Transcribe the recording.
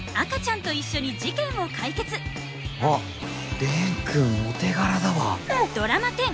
あっ蓮くんお手柄だわ。